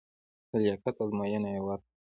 د لیاقت ازموینه یې ورکړه.